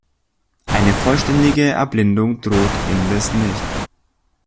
Eine vollständige Erblindung droht indes nicht.